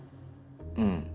うん。